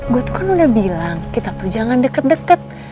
gue tuh kan udah bilang kita tuh jangan deket deket